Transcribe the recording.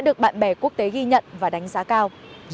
được quốc tế ghi nhận và đánh giá cao